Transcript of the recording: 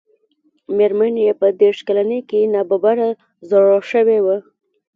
مېرمن يې په دېرش کلنۍ کې ناببره زړه شوې وه.